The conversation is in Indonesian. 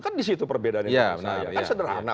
kan disitu perbedaannya kan sederhana